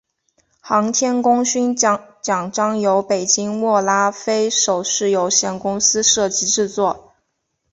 航天功勋奖章由北京握拉菲首饰有限公司设计制作。